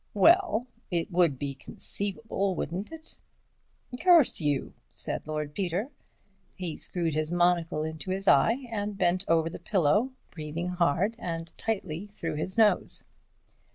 "Well, it would be conceivable, wouldn't it?" "Curse you," said Lord Peter. He screwed his monocle into his eye, and bent over the pillow, breathing hard and tightly through his nose.